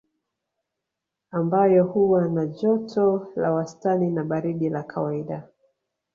Ambayo huwa na joto la wastani na baridi la kawaida